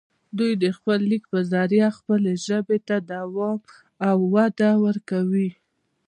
دوي دَ خپل ليک پۀ زريعه خپلې ژبې ته دوام او وده ورکوي